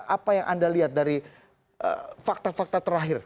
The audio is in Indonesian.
apa yang anda lihat dari fakta fakta terakhir